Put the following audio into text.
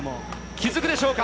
気付くでしょうか。